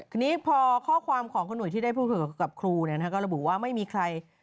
ทีนี้พอข้อความของคุณหวยที่ได้พูดคุยกับครูก็ระบุว่าไม่มีใคร